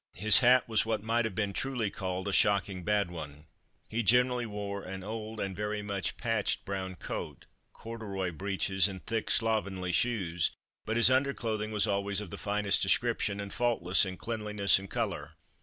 His hat was what might have been truly called "a shocking bad one." He generally wore an old and very much patched brown coat, corduroy breeches, and thick, slovenly shoes; but his underclothing was always of the finest description, and faultless in cleanliness and colour.